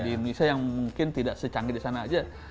di indonesia yang mungkin tidak secanggih di sana saja